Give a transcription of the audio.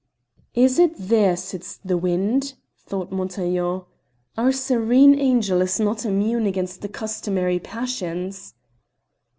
"Is it there sits the wind?" thought Montaiglon. "Our serene angel is not immune against the customary passions."